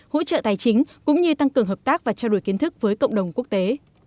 hỗ trợ tài chính cũng như tăng cường hợp tác và trao đổi kiến thức với cộng đồng quốc tế